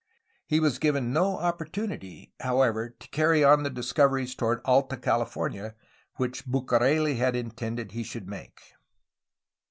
He was given no opportunity, however, to carry on the discoveries toward Alta California which Bucareli had intended he should make.